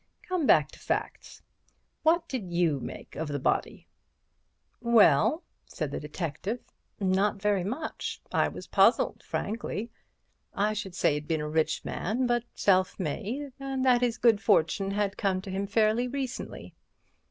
"Come back to facts. What did you make of the body?" "Well," said the detective, "not very much—I was puzzled—frankly. I should say he had been a rich man, but self made, and that his good fortune had come to him fairly recently."